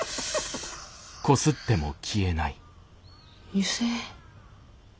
油性？